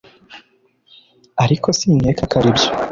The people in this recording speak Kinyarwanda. ariko sinkeka ko aribyo